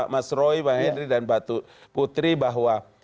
mas roy bang henry dan mbak putri bahwa